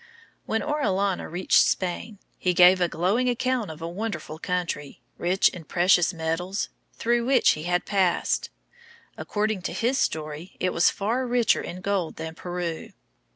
When Orellana reached Spain, he gave a glowing account of a wonderful country, rich in precious metals, through which he had passed. According to his story, it was far richer in gold than Peru.